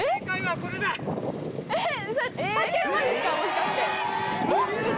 それもしかして。